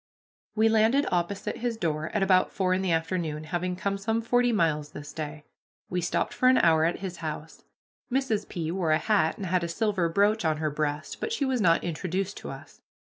We landed opposite his door at about four in the afternoon, having come some forty miles this day. We stopped for an hour at his house. Mrs. P. wore a hat and had a silver brooch on her breast, but she was not introduced to us.